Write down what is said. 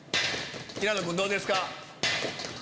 平野君どうですか？